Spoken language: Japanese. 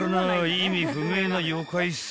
意味不明な妖怪っす］